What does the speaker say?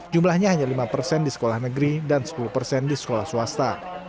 jumlahnya hanya lima persen di sekolah negeri dan sepuluh persen di sekolah swasta